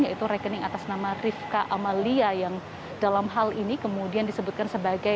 yaitu rekening atas nama rifka amalia yang dalam hal ini kemudian disebutkan sebagai